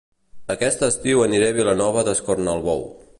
Aquest estiu aniré a Vilanova d'Escornalbou